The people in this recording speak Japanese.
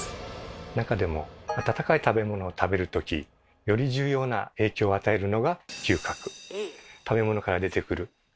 中でも温かい食べ物を食べるときより重要な影響を与えるのが嗅覚。